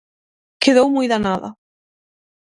Quedou moi danada.